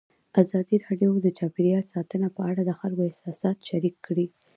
ازادي راډیو د چاپیریال ساتنه په اړه د خلکو احساسات شریک کړي.